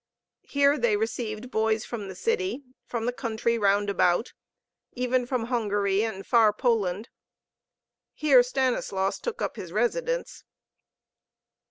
Here they received boys from the city, from the country round about, even from Hungary and far Poland. Here Stanislaus took up his residence.